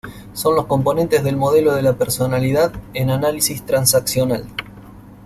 Son los componentes del modelo de la personalidad en Análisis Transaccional.